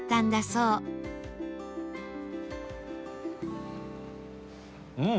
うん！